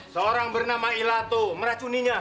seorang bernama ilato meracuninya